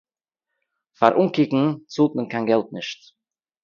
פֿאַר אָנקוקן צאָלט מען קיין געלט ניט.